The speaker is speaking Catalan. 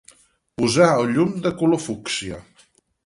Posar el llum de color fúcsia.